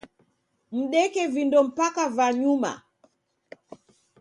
Mdeke vindo mpaka va nyuma.